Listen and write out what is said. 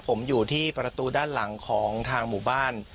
ผมอยู่ที่ประตูด้านหลังของทางหมู่บ้าน